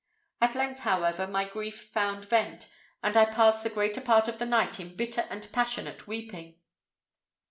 At length, however, my grief found vent, and I passed the greater part of the night in bitter and passionate weeping.